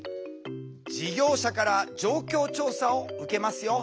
事業者から状況調査を受けますよ。